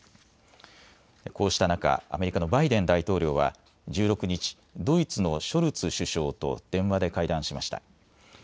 こうした中、アメリカのバイデン大統領は１６日、ドイツのショルツ首相と電話で会談しました。